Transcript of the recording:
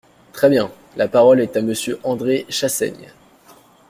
Très bien ! La parole est à Monsieur André Chassaigne.